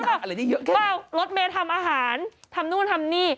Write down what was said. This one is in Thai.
เพราะเขาพูดว่ารถเบนทำอาหารทำนู่นทำนี่